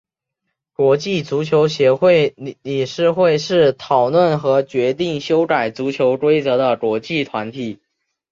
国际足球协会理事会是讨论和决定修改足球规则的国际团体。